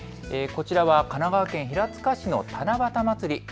こちらは神奈川県平塚市の七夕まつり。